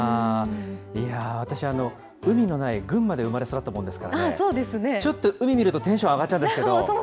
いやー、私は海のない群馬で生まれ育ったもんですからね、ちょっと海見るとテンション上がっちゃうんですけど。